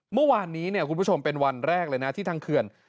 เมื่อวานนี้คุณผู้ชมเป็นวันแรกเลยนะที่ทางเขื่อน